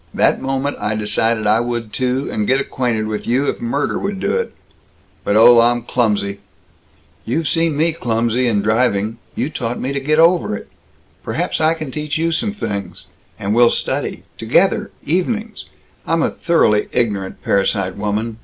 That moment, I decided I would, too, and get acquainted with you, if murder would do it. But, oh, I'm clumsy." "You've seen me clumsy, in driving. You taught me to get over it. Perhaps I can teach you some things. And we'll study together evenings! I'm a thoroughly ignorant parasite woman.